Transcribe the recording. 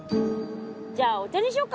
じゃあお茶にしよっか？